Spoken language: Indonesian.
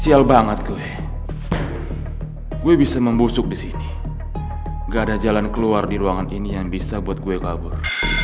sial banget gue gue bisa membusuk di sini gak ada jalan keluar di ruangan ini yang bisa buat gue kabur